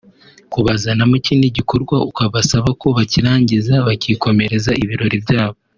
Kubazanamo ikindi gikorwa ukabasaba ko bakirangiza bakikomereza ibirori byabo